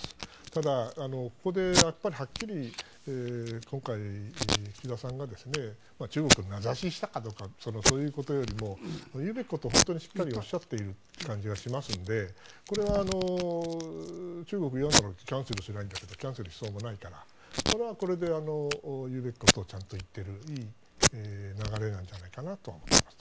ただ、ここではっきり今回岸田さんが中国を名指ししたかどうかというそういうことよりも言うべきことはおっしゃっている感じがしますのでこれは中国、嫌ならキャンセルすればいいけどキャンセルしそうもないからこれはこれで言うべきことをちゃんと言っているいい流れじゃないかなとは思っています。